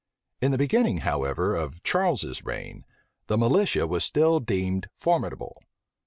In the beginning, however, of Charles's reign, the militia was still deemed formidable.